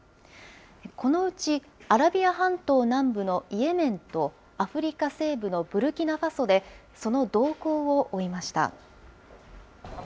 このうちアラビア半島南部のイエメンと、アフリカ西部のブルキナファソで、その動向を追いました。